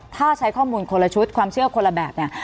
ถ้าใช้ข้อมูลคนละชุดความเชื่อคนละแบบเนี่ย